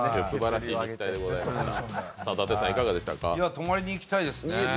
泊まりに行きたいですね。